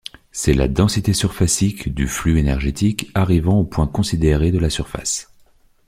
C'est la densité surfacique du flux énergétique arrivant au point considéré de la surface.